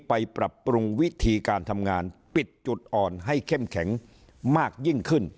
ปรับปรุงวิธีการทำงานปิดจุดอ่อนให้เข้มแข็งมากยิ่งขึ้น